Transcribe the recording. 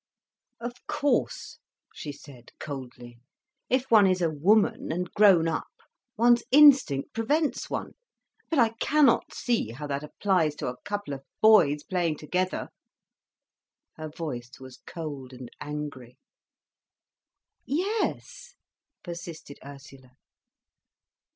"Of course," she said coldly. "If one is a woman, and grown up, one's instinct prevents one. But I cannot see how that applies to a couple of boys playing together." Her voice was cold and angry. "Yes," persisted Ursula.